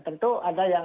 tentu ada yang